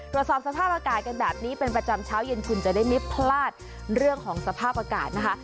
ตรวจสอบสภาพอากาศกันแบบนี้เป็นประจำเช้าเย็นคุณจะได้ไม่พลาดเรื่องของสภาพอากาศนะคะ